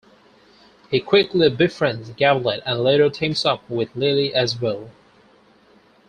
He quickly befriends Gavlet and later teams up with Lily as well.